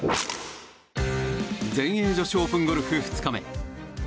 全英女子オープンゴルフ２日目。